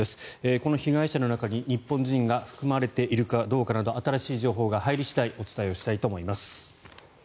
この被害者の中に日本人が含まれているかどうかなど新しい情報が入り次第お伝えしたいと思います。